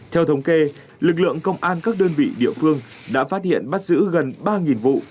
theo thống kê lực lượng công an các đơn vị địa phương đã phát hiện bắt giữ gần ba vụ